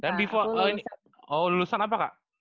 dan before oh ini lulusan apa kak